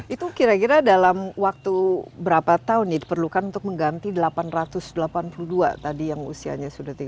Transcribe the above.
itu kira kira dalam waktu berapa tahun diperlukan untuk mengganti delapan ratus delapan puluh dua tadi yang usianya sudah tiga puluh